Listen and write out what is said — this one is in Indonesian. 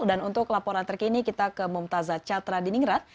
dan untuk laporan terkini kita ke mumtazah catra di ningrat